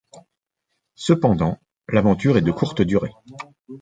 Cependant, l'aventure est de courte durée.